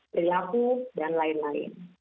perilaku dan lain lain